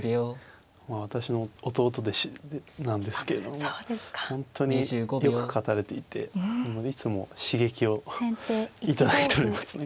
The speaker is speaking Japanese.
まあ私の弟弟子なんですけれども本当によく勝たれていていつも刺激を頂いておりますね。